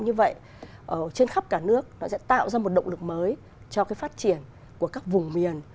như vậy trên khắp cả nước nó sẽ tạo ra một động lực mới cho cái phát triển của các vùng miền